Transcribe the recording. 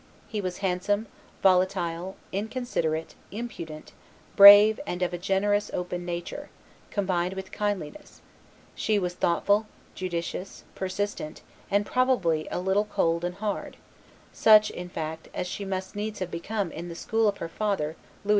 He was handsome, volatile, inconsiderate, impudent, brave, and of a generous, open nature, combined with kindliness; she was thoughtful, judicious, persistent, and probably a little cold and hard, such, in fact, as she must needs have become in the school of her father, Louis XI.